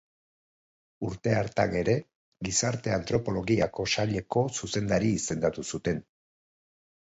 Urte hartan ere Gizarte Antropologiako Saileko zuzendari izendatu zuten.